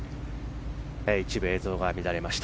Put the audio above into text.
一部映像が乱れました。